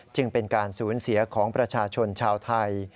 จึงเป็นการสูญเสียของประชาชนชาวไทย